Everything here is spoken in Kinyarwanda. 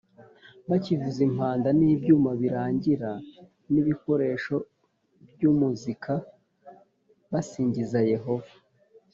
bakivuza impanda n ibyuma birangira n ibikoresho by umuzika basingizaga Yehova